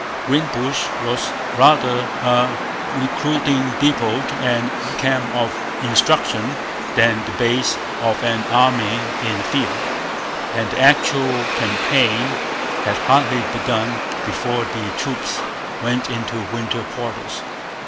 Greenbush was rather a recruiting depot and camp of instruction than the base of an army in the field; and the actual campaign had hardly begun before the troops went into winter quarters.